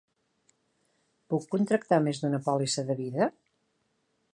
Puc contractar més d'una pòlissa de vida?